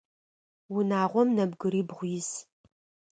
Унагъом нэбгырибгъу ис.